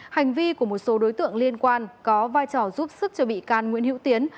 hành vi của một số đối tượng liên quan có vai trò giúp sức cho bị can nguyễn hữu tiến